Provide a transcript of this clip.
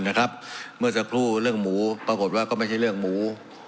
เมื่อสักครู่เรื่องหมูปรากฏว่าก็ไม่ใช่เรื่องหมู